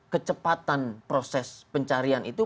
kecepatan proses pencarian itu